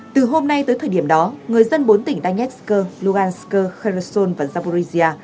từ hôm nay tới thời điểm đó người dân bốn tỉnh danesk lugansk kherson và zamborizhia